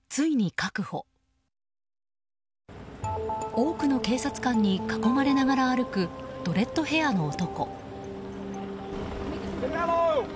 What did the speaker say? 多くの警察官に囲まれながら歩く、ドレッドヘアの男。